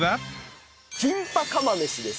キンパ釜飯です。